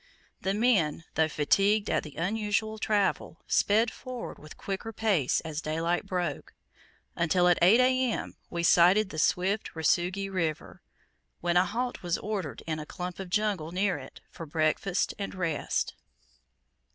The men, though fatigued at the unusual travel, sped forward with quicker, pace as daylight broke, until, at 8 A.M., we sighted the swift Rusugi River, when a halt was ordered in a clump of jungle near it, for breakfast and rest.